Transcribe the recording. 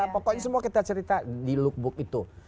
pokoknya semua kita cerita di lookbook itu